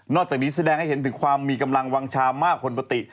จากนี้แสดงให้เห็นถึงความมีกำลังวางชามากกว่าปกติ